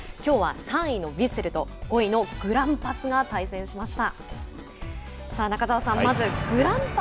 きょうは３位のヴィッセルと５位のグランパスが対戦しました。